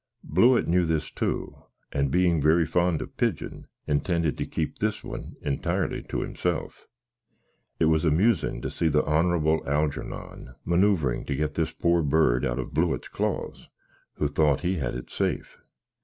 Blewitt knew this too; and bein very fond of pidgin, intended to keep this one entirely to himself. It was amusin to see the Honrabble Halgernon manuvring to get this pore bird out of Blewitt's clause, who thought he had it safe.